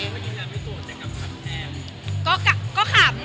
แล้วพี่สวนจะกลับขัมแทน